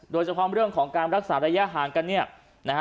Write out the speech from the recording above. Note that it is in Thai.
โดยเฉพาะเรื่องของการรักษาระยะห่างกันเนี่ยนะฮะ